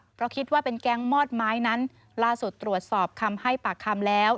เพราะคิดว่าเป็นแก๊งมอดไม้นั้นล่าสุดตรวจสอบคำให้ปากคำแล้ว